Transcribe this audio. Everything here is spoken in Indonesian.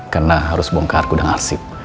karena harus bongkar kudang arsip